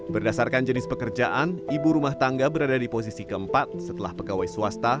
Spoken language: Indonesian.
berdasarkan jenis pekerjaan ibu rumah tangga berada di posisi keempat setelah pegawai swasta